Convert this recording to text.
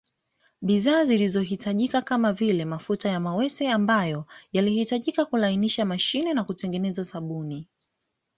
Bidhaa zilizo hitajika kamavile mafuta ya mawese ambayo yalihitajika kulainisha mashine na kutengeneza sabuni